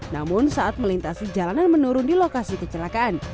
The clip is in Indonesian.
namun saat melintasi jalanan menurun di lokasi kecelakaan